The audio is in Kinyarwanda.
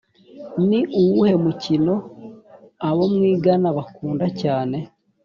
ni uwuhe mukino abo mwigana bakunda cyane